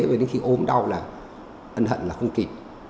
vậy đến khi ốm đau là ân hận là không kịp